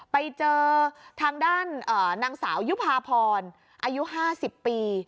ไปเจอทางด้านนางสาวยุภาพรอายุ๕๐ปี